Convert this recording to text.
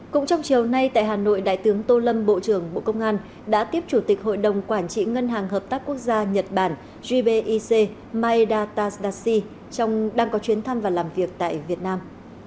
cũng trong chiều nay tại hà nội đại tướng tô lâm bộ trưởng bộ công an đã tiếp chủ tịch hội đồng quản trị ngân hàng hợp tác quốc gia nhật bản gbic maeda tadashi trong đang có chuyến thăm và làm việc tại việt nam